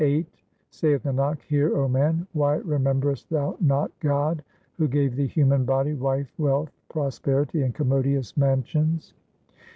VIII Saith Nanak, hear O man, why rememberest thou not God Who gave thee human body, wife, wealth, prosperity, and commodious mansions